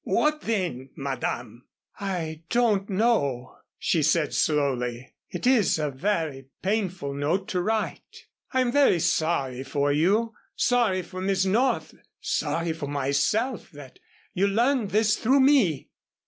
"What then, Madame?" "I don't know," she said, slowly. "It is a very painful note to write. I am very sorry for you, sorry for Miss North, sorry for myself that you learned of this through me.